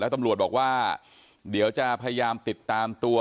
ตำรวจบอกว่าเดี๋ยวจะพยายามติดตามตัว